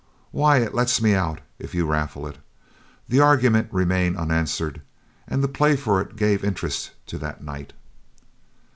Why, it lets me out if you raffle it." The argument remained unanswered, and the play for it gave interest to that night.